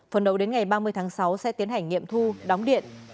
phần đầu đến ngày ba mươi tháng sáu sẽ tiến hành nghiệm thu đóng điện